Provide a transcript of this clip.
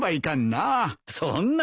そんな。